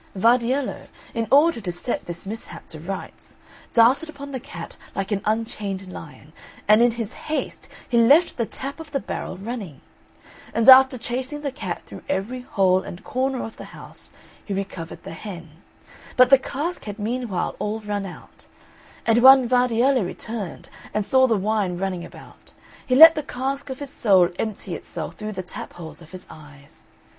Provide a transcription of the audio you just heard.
Vardiello, in order to set this mishap to rights, darted upon the cat like an unchained lion, and in his haste he left the tap of the barrel running. And after chasing the cat through every hole and corner of the house, he recovered the hen; but the cask had meanwhile all run out; and when Vardiello returned, and saw the wine running about, he let the cask of his soul empty itself through the tap holes of his eyes.